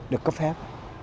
được cấp phép